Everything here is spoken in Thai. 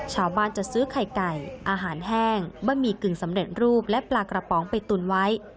ชาวบ้านจะซื้อไข่ไก่อาหารแห้งบะหมี่กึ่งสำเร็จรูปและปลากระป๋องไปตุนไว้